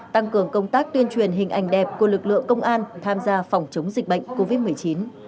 tăng cường công tác tuyên truyền hình ảnh đẹp của lực lượng công an tham gia phòng chống dịch bệnh covid một mươi chín